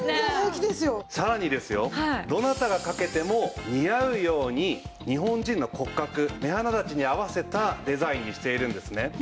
どなたがかけても似合うように日本人の骨格目鼻立ちに合わせたデザインにしているんですね。